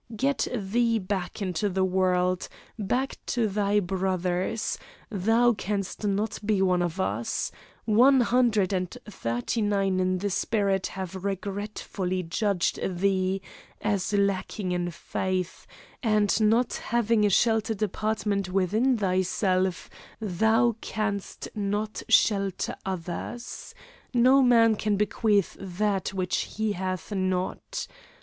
"Get thee back into the world, back to thy brothers; thou canst not be one of us. One hundred and thirty nine in the spirit have regretfully judged thee as lacking in faith, and not having a sheltered apartment within thyself, thou canst not shelter others. No man can bequeath that which he hath not.